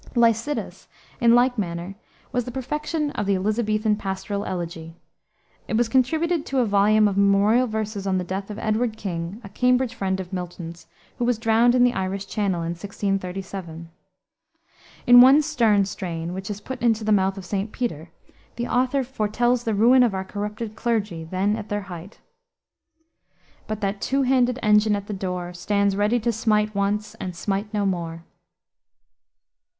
Lycidas, in like manner, was the perfection of the Elisabethan pastoral elegy. It was contributed to a volume of memorial verses on the death of Edward King, a Cambridge friend of Milton's, who was drowned in the Irish Channel in 1637. In one stern strain, which is put into the mouth of St. Peter, the author "foretells the ruin of our corrupted clergy, then at their height." "But that two handed engine at the door Stands ready to smite once and smite no more."